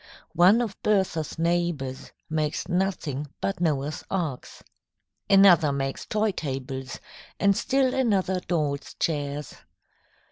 One of Bertha's neighbours makes nothing but Noah's Arks. Another makes toy tables, and still another dolls' chairs.